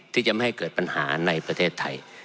ที่จะไม่ให้เกิดปัญหาในประเทศไทย